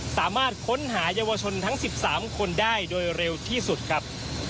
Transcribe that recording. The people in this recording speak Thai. สามารถค้นหาเยาวชนทั้ง๑๓คนได้โดยเร็วที่สุดครับ